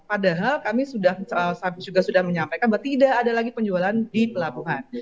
padahal kami sudah menyampaikan bahwa tidak ada lagi penjualan di pelabuhan